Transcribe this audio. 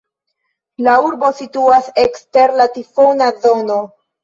La urbo situas ekster la tifona zono.